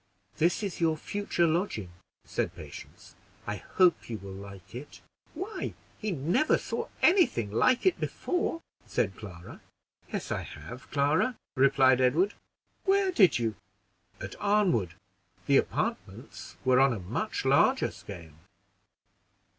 "This is your future lodging," said Patience; "I hope you will like it." "Why, he never saw any thing like it before," said Clara. "Yes I have, Clara," replied Edward. "Where did you?" "At Arnwood; the apartments were on a much larger scale."